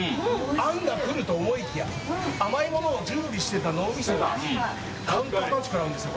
あんが来ると思いきや甘いものを準備してた脳みそがカウンターパンチ食らうんですよ